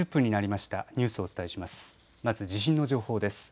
まず地震の情報です。